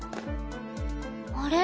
あれ？